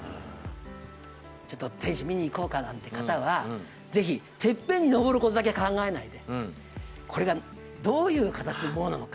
ちょっと天守見にいこうかなんて方は是非てっぺんに上ることだけ考えないでこれがどういう形のものなのか。